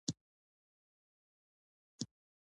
ګیلاس د شاعر د خوږ فکر ملګری دی.